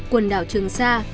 quần đảo trường sa